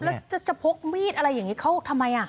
แล้วจะพกมีดอะไรอย่างนี้เขาทำไม